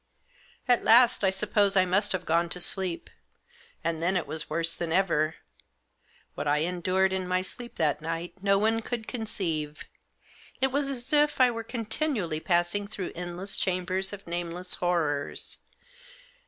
At last I suppose I must have gone to sleep. And then it was worse than ever. What I endured in my sleep that night no one could conceive. It was as if I were continually passing through endless chambers of nameless horrors.